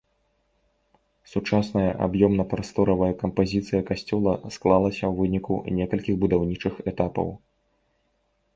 Сучасная аб'ёмна-прасторавая кампазіцыя касцёла склалася ў выніку некалькіх будаўнічых этапаў.